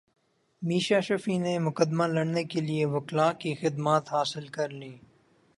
میشا شفیع نے مقدمہ لڑنے کیلئے وکلاء کی خدمات حاصل کرلیں